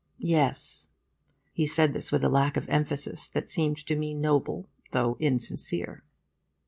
'Yes.' He said this with a lack of emphasis that seemed to me noble though insincere.